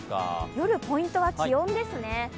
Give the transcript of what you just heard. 夜、ポイントは気温ですね。